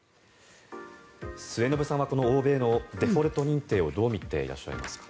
末延さんは欧米のデフォルト認定をどう見ていますか。